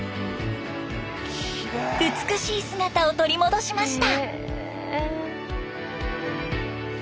美しい姿を取り戻しました！